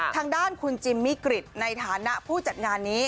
ทางด้านคุณจิมมิกริจในฐานะผู้จัดงานนี้